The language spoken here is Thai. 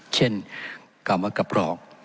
เช่นกรรมกระปรอก